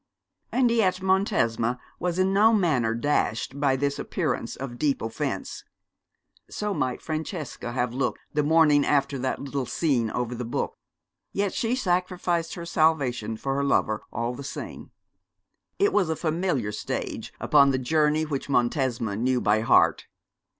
And yet Montesma was in no manner dashed by this appearance of deep offence. So might Francesca have looked the morning after that little scene over the book; yet she sacrificed her salvation for her lover all the same. It was a familiar stage upon the journey which Montesma knew by heart.